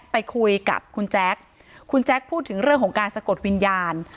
ไปคุยกับคุณแจ๊คคุณแจ๊คพูดถึงเรื่องของการสะกดวิญญาณ